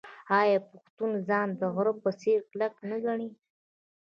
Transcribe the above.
آیا پښتون ځان د غره په څیر کلک نه ګڼي؟